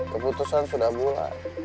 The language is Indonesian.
keputusan sudah bulat